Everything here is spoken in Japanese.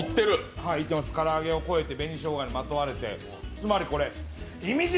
唐揚げを超えて紅しょうがに誘われてつまりこれ、いみじ！